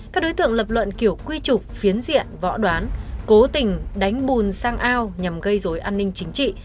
các đối tượng lập luận kiểu quy trục phiến diện võ đoán cố tình đánh bùn sang ao nhằm gây dối an ninh chính trị